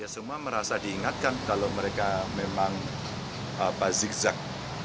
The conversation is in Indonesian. semua merasa diingatkan kalau mereka memang zigzag